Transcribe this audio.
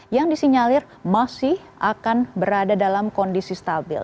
yang disinyalir masih akan berada dalam kondisi stabil